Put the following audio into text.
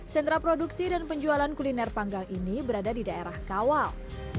sentra produksi dan penjualan kuliner panggang ini berada di daerah kawal